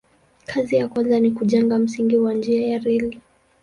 Kazi ya kwanza ni kujenga msingi wa njia ya reli.